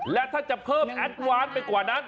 และถ้าจะเพิ่มแอดวานไปกว่านั้น